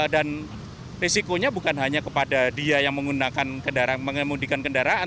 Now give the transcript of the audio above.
dan risikonya bukan hanya kepada dia yang mengundikan kendaraan